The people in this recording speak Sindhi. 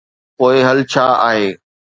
پوء حل ڇا آهي؟